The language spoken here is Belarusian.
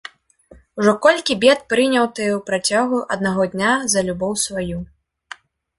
Ужо колькі бед прыняў ты ў працягу аднаго дня за любоў сваю.